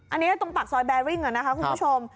อันนี้ต้องตักซอยแบริ่งก่อนนะคะคุณผู้ชม